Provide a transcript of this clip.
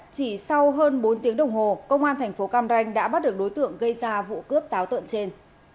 chỉ sau hơn bốn tiếng đồng hồ công an thành phố cam ranh đã bắt được đối tượng gây ra vụ cướp táo tợn trên